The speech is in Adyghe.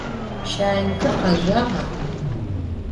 Şaynıker khezjağa?